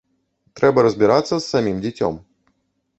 Трэба разбірацца з самім дзіцём.